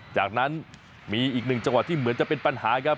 จากนั้นมีอีกหนึ่งจังหวัดที่เหมือนจะเป็นปัญหาครับ